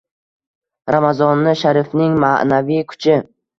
Ramazoni sharifning ma’naviy kuchi...